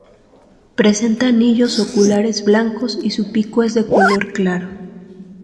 Presenta anillos oculares blancos y su pico es de color claro.